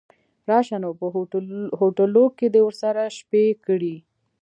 راشه نو په هوټلو کې دې ورسره شپې کړي.